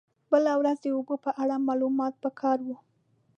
بله ورځ د اوبو په اړه معلومات په کار و.